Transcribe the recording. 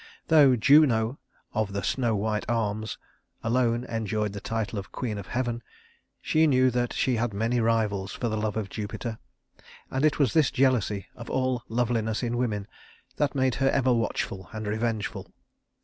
Though Juno "of the snow white arms" alone enjoyed the title of queen of heaven, she knew that she had many rivals for the love of Jupiter; and it was this jealousy of all loveliness in woman that made her ever watchful and revengeful.